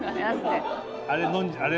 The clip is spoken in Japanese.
あれ。